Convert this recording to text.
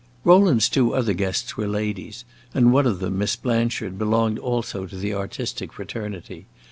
Rowland's two other guests were ladies, and one of them, Miss Blanchard, belonged also to the artistic fraternity.